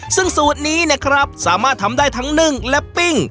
ซึ่งสูตรนี้นะครับสามารถทำได้ทั้งนึ่งและปิ้ง